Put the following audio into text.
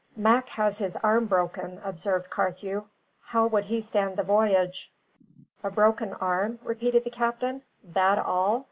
"Mac has his arm broken," observed Carthew; "how would he stand the voyage?" "A broken arm?" repeated the captain. "That all?